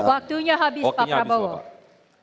waktunya habis pak prabowo